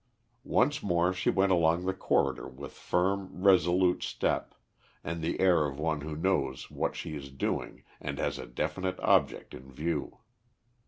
Once more she went along the corridor with firm, resolute step, and the air of one who knows what she is doing and has a definite object in view.